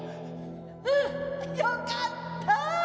うん！よかった！